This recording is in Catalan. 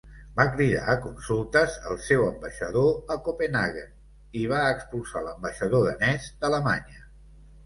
Va cridar a consultes el seu ambaixador a Copenhaguen i va expulsar l'ambaixador danès d'Alemanya.